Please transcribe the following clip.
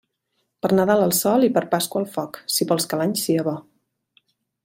Per Nadal al sol i per Pasqua al foc, si vols que l'any sia bo.